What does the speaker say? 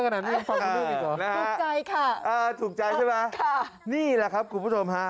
ฟังดูอีกหรอถูกใจค่ะค่ะค่ะนี่แหละครับคุณผู้ชมฮะ